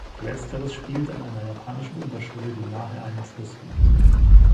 Letzteres spielt an einer japanischen Oberschule, die nahe einem Fluss liegt.